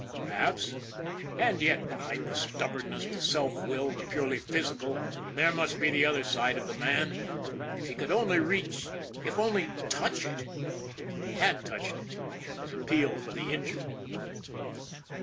Perhaps. And yet behind the stubbornness, the self will, the purely physical, i8 ON THE IRON AT BIG CLOUD there must be the other side of the man. If he could only reach it only touch it. He had touched it. His appeal for the injured.